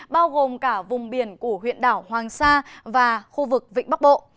bao gồm cả vùng biển của huyện đảo hoàng sa và khu vực vịnh bắc bộ